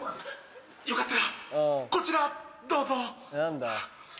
よかったらこちらどうぞ。